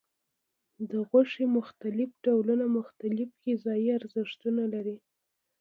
د غوښې مختلف ډولونه مختلف غذایي ارزښت لري.